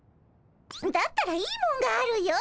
だったらいいもんがあるよ。